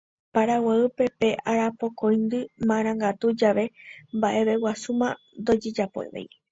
Paraguáype pe Arapokõindy Marangatu jave mba'eveguasúma ndojejapovéi